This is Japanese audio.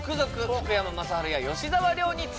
福山雅治や吉沢亮に続け